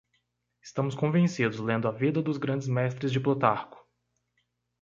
Estamos convencidos lendo a Vida dos grandes mestres de Plutarco.